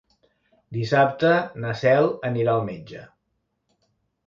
Dissabte na Cel anirà al metge.